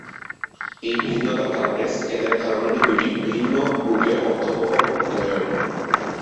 এই ভিন্নতার কারণে স্কেলের ধারণাটি দুটি ভিন্ন রূপে অর্থবহ হয়ে ওঠে।